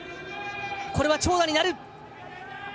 これは長打になる。